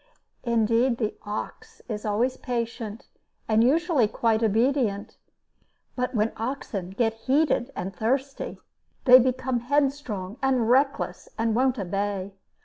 Indeed, the ox is always patient, and usually quite obedient; but when oxen get heated and thirsty, they become headstrong and reckless, and won't obey.